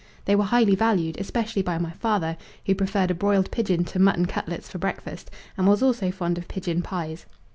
They were highly valued, especially by my father, who preferred a broiled pigeon to mutton cutlets for breakfast, and was also fond of pigeon pies.